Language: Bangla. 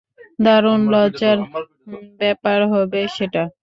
দারুণ লজ্জার ব্যাপার হবে সেটা।